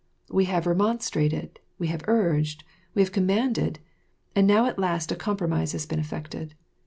We have remonstrated, we have urged, we have commanded, and now at last a compromise has been effected.